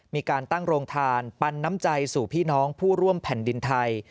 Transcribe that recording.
มีการตั้งโรงทานปันน้ำใจสู่พี่น้องผู้ร่วมแผ่นดินไทย